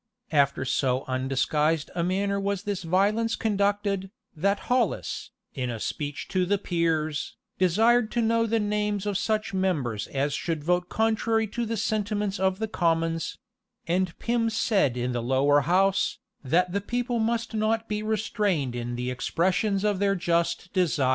After so undisguised a manner was this violence conducted, that Hollis, in a speech to the peers, desired to know the names of such members as should vote contrary to the sentiments of the commons:[] and Pym said in the lower house, that the people must not be restrained in the expressions of their just desires.